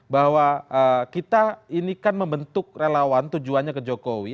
bahwa kita ini kan membentuk relawan tujuannya ke jokowi